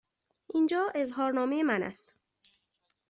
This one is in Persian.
اینجا اظهارنامه من است.